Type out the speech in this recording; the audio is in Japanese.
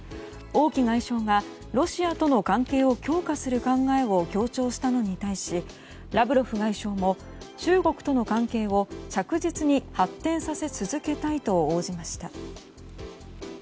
王毅外相がロシアとの関係を強化する考えを強調したのに対しラブロフ外相も中国との関係を着実に発展させ続けたいと応じました。